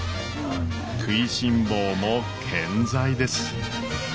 食いしん坊も健在です。